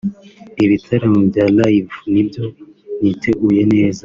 Ibitaramo bya live nibyo niteguye neza